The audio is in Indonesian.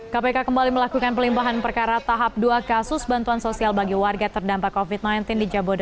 kpk kembali melakukan pelajaran